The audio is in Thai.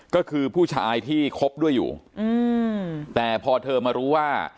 ก็คือผู้ชายที่คบด้วยอยู่แต่พอเธอมารู้ว่า